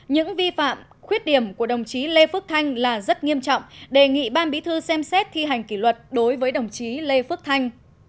những vi phạm khuyết điểm của đồng chí lê phước thanh là rất nghiêm trọng đề nghị ban bí thư xem xét thi hành kỷ luật đối với đồng chí lê phước thanh